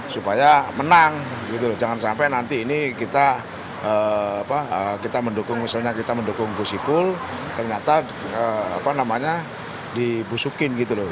supaya menang jangan sampai nanti ini kita mendukung misalnya kita mendukung gusipul ternyata dibusukin gitu loh